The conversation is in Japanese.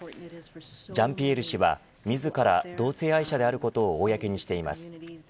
ジャンピエール氏は自ら同性愛者であることを公にしています。